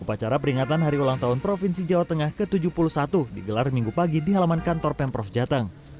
upacara peringatan hari ulang tahun provinsi jawa tengah ke tujuh puluh satu digelar minggu pagi di halaman kantor pemprov jateng